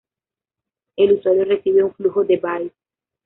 El usuario recibe un flujo de bytes.